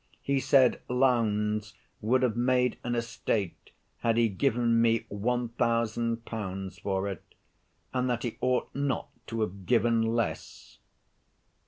He said Lowndes would have made an estate had he given me £1000 for it, and that he ought not to have given less!